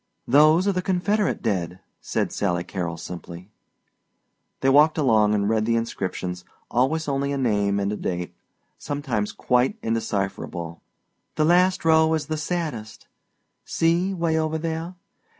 "Those are the Confederate dead," said Sally Carrol simply. They walked along and read the inscriptions, always only a name and a date, sometimes quite indecipherable. "The last row is the saddest see, 'way over there.